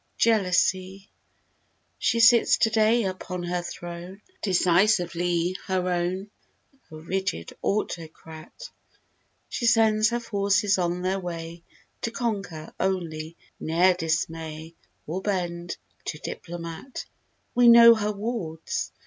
"Jealousy!" She sits today upon her throne. Decisively her own—her own— A rigid autocrat! She sends her forces on their way To conquer, only—ne'er dismay Or bend, to diplomat. We know her wards.